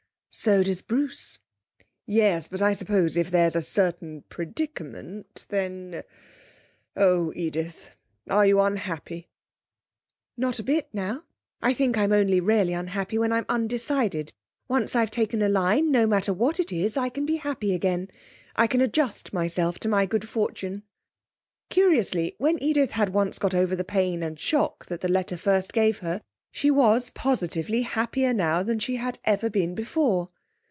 'So does Bruce.' 'Yes. But I suppose if there's a certain predicament then Oh, Edith are you unhappy?' 'No, not a bit now. I think I'm only really unhappy when I'm undecided. Once I've taken a line no matter what it is I can be happy again. I can adjust myself to my good fortune.' Curiously, when Edith had once got over the pain and shock that the letter first gave her, she was positively happier now than she ever had been before.